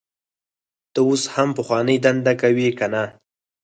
ته اوس هم هغه پخوانۍ دنده کوې کنه